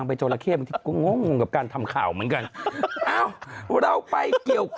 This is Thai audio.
ในคำคาว